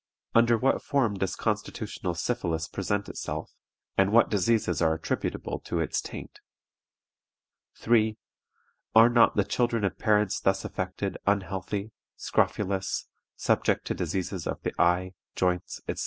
Under what form does constitutional syphilis present itself, and what diseases are attributable to its taint? "3. Are not the children of parents thus affected unhealthy, scrofulous, subject to diseases of the eye, joints, etc.?